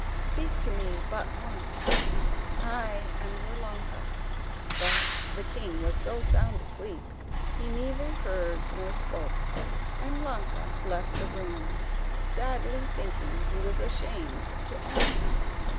Speak to me but once; I am your Ilonka." But the king was so sound asleep he neither heard nor spoke, and Ilonka left the room, sadly thinking he was ashamed to own her.